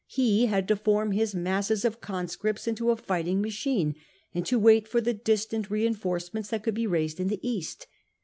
He had to form his masses of conscripts into a fighting machine, and to wait for the distant reinforcements that could be raised in the East.